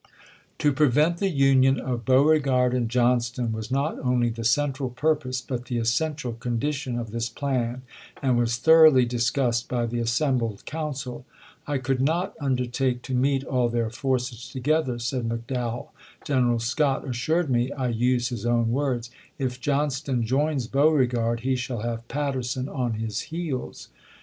To prevent the union of Beauregard and John ston was not only the central purpose but the es sential condition of this plan, and was thoroughly discussed by the assembled council. " I could not McDowell, undertake to meet all then* forces together," said McDowell. " General Scott assured me — I use his own words — 'if Johnston joins Beauregard he shall have Patterson on his heels.'"